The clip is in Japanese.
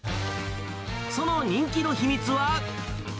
その人気の秘密は。